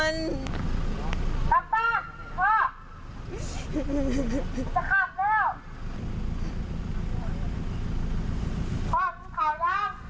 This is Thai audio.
จะขับแล้ว